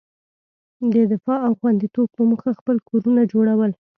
د دفاع او خوندیتوب په موخه خپل کورونه جوړول.